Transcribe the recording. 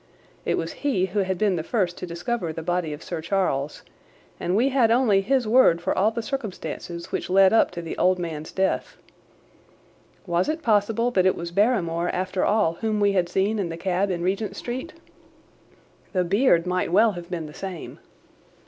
It was he who had been the first to discover the body of Sir Charles, and we had only his word for all the circumstances which led up to the old man's death. Was it possible that it was Barrymore, after all, whom we had seen in the cab in Regent Street? The beard might well have been the same.